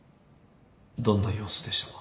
どんな様子でしたか？